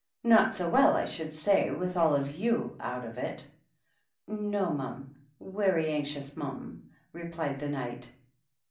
"Not so well, I should say, with all of you out of it." " No, mum, — ^werry anxious, mum," replied the Knight.